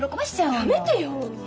やめてよ！